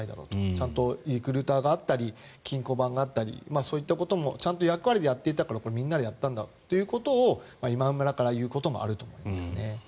ちゃんとリクルーターがあったり金庫番があったりそういったこともちゃんと役割でやっていたからみんなでやったんだということを今村から言うこともあると思いますね。